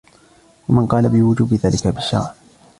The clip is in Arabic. وَمَنْ قَالَ بِوُجُوبِ ذَلِكَ بِالشَّرْعِ